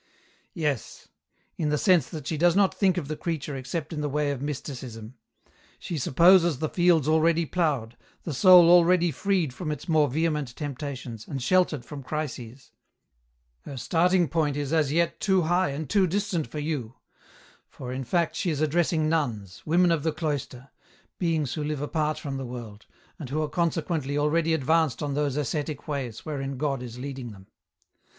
" Yes ; in the sense that she does not think of the creature except in the way of Mysticism. She supposes the fields already ploughed, the soul already freed from its more vehement temptations, and sheltered from crises ; her starting point is as yet too high and too distant for you, for, in fact, she is addressing nuns, women of the cloister, beings who live apart from the world, and who are consequently already advanced on those ascetic ways wherein God is leading them.